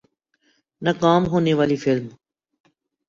ناکام ہونے والی فلم